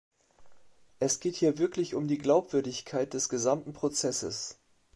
Es geht hier wirklich um die Glaubwürdigkeit des gesamten Prozesses.